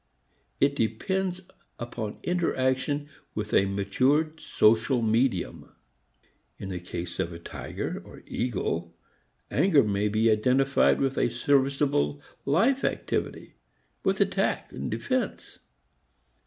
It depends upon interaction with a matured social medium. In the case of a tiger or eagle, anger may be identified with a serviceable life activity, with attack and defense.